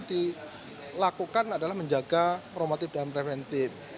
dilakukan adalah menjaga promotif dan preventif